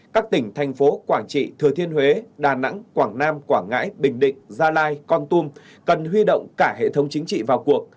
các tỉnh thành phố quảng trị thừa thiên huế đà nẵng quảng nam quảng ngãi bình định gia lai con tum cần huy động cả hệ thống chính trị vào cuộc